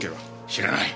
知らない。